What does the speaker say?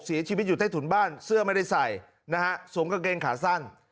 เสียชีวิตอยู่ใต้ถุนบ้านเสื้อไม่ได้ใส่นะฮะสวมกางเกงขาสั้น